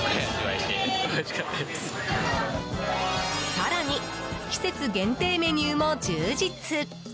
更に、季節限定メニューも充実。